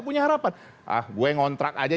punya harapan ah gue ngontrak aja